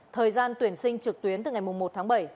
thời gian tuyển sinh trực tuyến từ ngày một tháng bảy